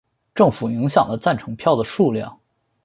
政府影响了赞成票的数量。